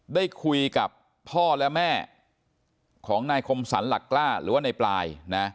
ได้คุยกับพ่อและแม่ของนายคมสรรหลักกล้าหรือว่าในปลายนะ